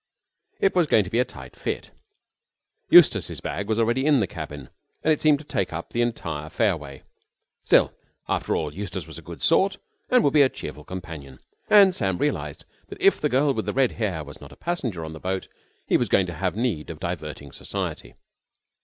It was going to be a tight fit. Eustace's bag was already in the cabin, and it seemed to take up the entire fairway. Still, after all, Eustace was a good sort, and would be a cheerful companion. And Sam realised that if that girl with the red hair was not a passenger on the boat he was going to have need of diverting society.